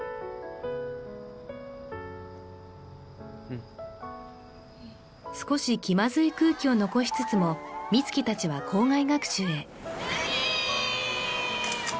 うん少し気まずい空気を残しつつも美月達は校外学習へ海ー！